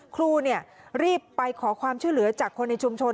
ครูรีบไปขอความช่วยเหลือจากคนในชุมชน